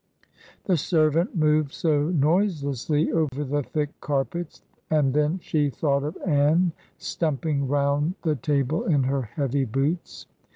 The servant moved so noiselessly over the thick carpets, and then she thought of Ann stumping round the table in her heavy boots.